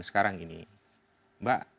sekarang ini mbak